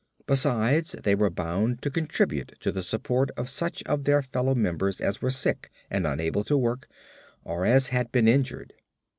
Besides they were bound to contribute to the support of such of their fellow members as were sick and unable to work or as had been injured.